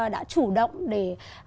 đã chủ động để